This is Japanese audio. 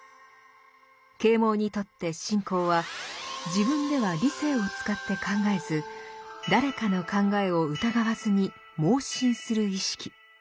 「啓蒙」にとって「信仰」は自分では理性を使って考えず誰かの考えを疑わずに妄信する意識。